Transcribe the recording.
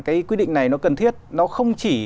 cái quy định này nó cần thiết nó không chỉ